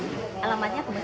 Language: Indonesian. kebanyakan alamatnya ke mana